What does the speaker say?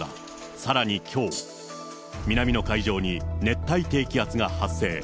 さらにきょう、南の海上に熱帯低気圧が発生。